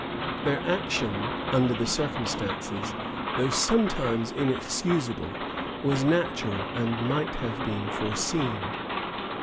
Their action under the circumstances, though sometimes inexcusable, was natural, and might have been foreseen.